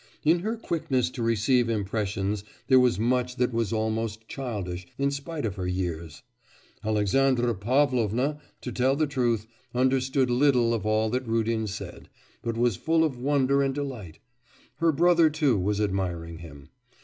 In her quickness to receive impressions there was much that was almost childish, in spite of her years. Alexandra Pavlovna, to tell the truth, understood little of all that Rudin said, but was full of wonder and delight; her brother too was admiring him.